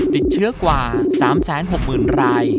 ติดเชื้อกว่า๓๖๐๐๐ราย